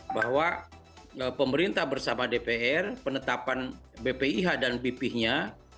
bahwa pemerintah bersama dpr penetapan bpih dan bpih nya